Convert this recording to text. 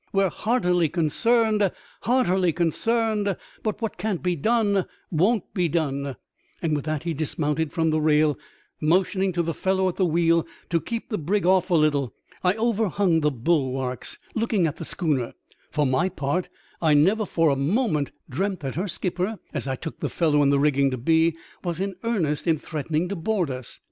We're heartily consamed, heartily consarned. But what can't be done wo7i't be done." With that he dismounted from the rail, motioning to the fellow at the wheel to keep the brig off a little. I overhung the bulwarks, looking at the schooner. For my part I never for a moment dreamt that her skipper, as I took the fellow in the rigging to be, was in earnest in threatening to board us.